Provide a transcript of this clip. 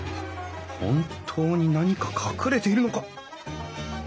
本当に何か隠れているのか？